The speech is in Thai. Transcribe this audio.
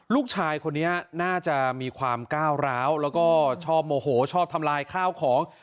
ลูกชายคนนี้น่าจะมีความก้าวร้าวแล้วก็ชอบโมโหชอบทำลายข้าวของ